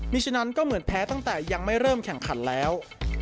มีฉะนั้นก็เหมือนแพ้ตั้งแต่ยังไม่เริ่มแข่งขันแล้ว